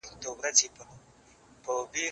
زه به اوږده موده موسيقي اورېدلې وم